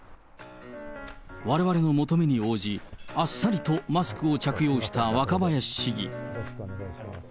われわれの求めに応じ、あっさりとマスクを着用した若林市議。